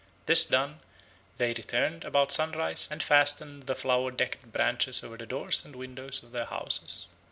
This done, they returned about sunrise and fastened the flower decked branches over the doors and windows of their houses.